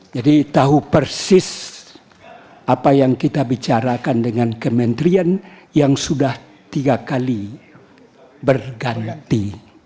jadi tahu persis apa yang kita bicarakan dengan kementerian yang sudah tiga kali berganti